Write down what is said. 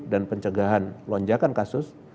dan pencegahan lonjakan kasus